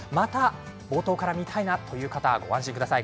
冒頭から見たいという方ご安心ください。